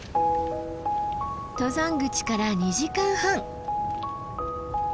登山口から２時間半。